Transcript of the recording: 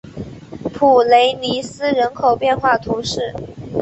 普雷尼斯人口变化图示